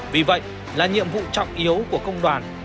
vì vậy là nhiệm vụ trọng yếu của công đoàn